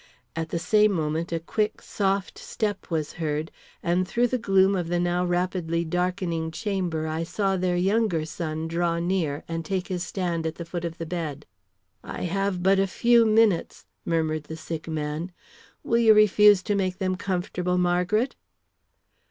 At the same moment a quick, soft step was heard, and through the gloom of the now rapidly darkening chamber I saw their younger son draw near and take his stand at the foot of the bed. "I have but a few minutes," murmured the sick man. "Will you refuse to make them comfortable, Margaret?"